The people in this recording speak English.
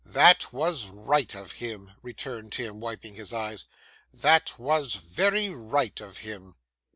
'That was right of him,' returned Tim, wiping his eyes; 'that was very right of him.